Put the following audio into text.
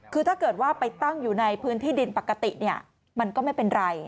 คือถ้าเกิดว่าไปตั้งอยู่ในพื้นที่ดินปกติมันก็ไม่เป็นไร